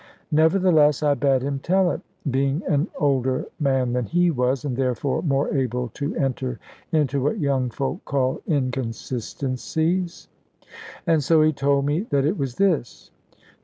Nevertheless I bade him tell it, being an older man than he was, and therefore more able to enter into what young folk call "inconsistencies." And so he told me that it was this.